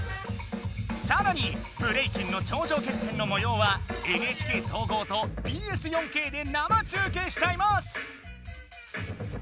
さらにブレイキンの頂上決戦のもようはＮＨＫ総合とＢＳ４Ｋで生中継しちゃいます！